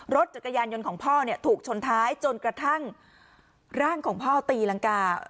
รถจักรยานยนต์ของพ่อเนี่ยถูกชนท้ายจนกระทั่งร่างของพ่อตีรังกา